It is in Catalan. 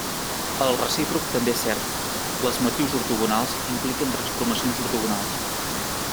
El recíproc també és cert: les matrius ortogonals impliquen transformacions ortogonals.